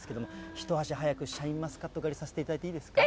一足早く、シャインマスカット狩りさせていただいていいですか。